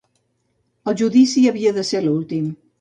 El judici havia de ser l'últim.